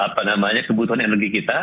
apa namanya kebutuhan energi kita